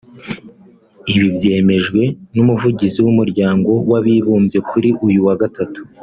Ibi byemejwe n’umuvugizi w’Umuryango w’Abibumbye kuri uyu wa Gatatu